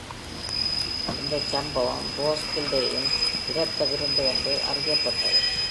இந்த சம்பவம் "ரோஸ்கில்டேயின் இரத்த விருந்து" என்று அறியப்பட்டது.